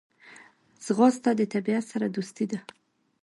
ځغاسته د طبیعت سره دوستي ده